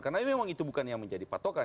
karena memang itu bukan yang menjadi patokan